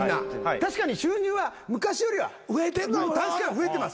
確かに収入は昔よりは確かに増えてます。